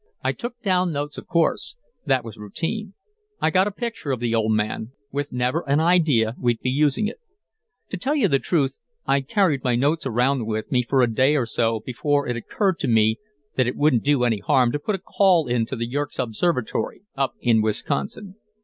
I took down notes, of course; that was routine. I got a picture of the old man, with never an idea we'd be using it. "To tell the truth, I carried my notes around with me for a day or so before it occurred to me that it wouldn't do any harm to put a call in to Yerkes Observatory up in Wisconsin.